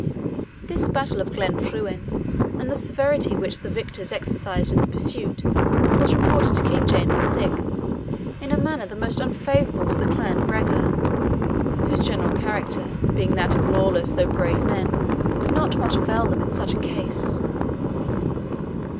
This battle of Glenfruin, and the severity which the victors exercised in the pursuit, was reported to King James VI. in a manner the most unfavourable to the clan Gregor, whose general character, being that of lawless though brave men, could not much avail them in such a case.